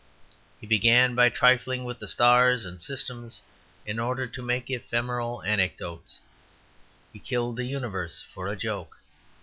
He began by trifling with the stars and systems in order to make ephemeral anecdotes; he killed the universe for a joke.